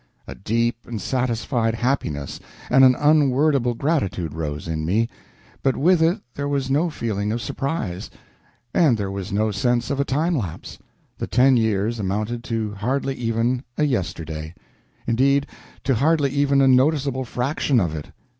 A deep and satisfied happiness and an unwordable gratitude rose in me, but with it there was no feeling of surprise; and there was no sense of a time lapse; the ten years amounted to hardly even a yesterday; indeed, to hardly even a noticeable fraction of it.